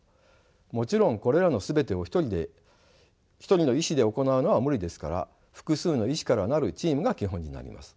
もちろんこれらの全てを一人の医師で行うのは無理ですから複数の医師から成るチームが基本になります。